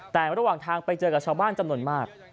แต่ระหว่างทางไปเจอกับชาวบ้านจำนวนมาก